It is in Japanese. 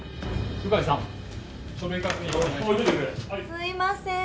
・すいません。